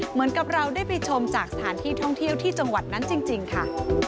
เหมือนกับเราได้ไปชมจากสถานที่ท่องเที่ยวที่จังหวัดนั้นจริงค่ะ